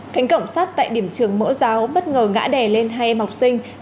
cánh cổng sát tại điểm trường mẫu giáo bất ngờ ngã đè lên hai em học sinh